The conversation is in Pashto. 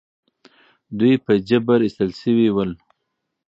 دوی په جبر ویستل شوي ول.